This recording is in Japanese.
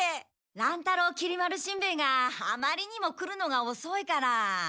乱太郎きり丸しんべヱがあまりにも来るのがおそいから。